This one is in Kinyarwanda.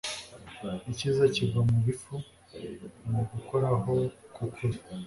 icyiza kigwa mubifu mugukoraho kwukuri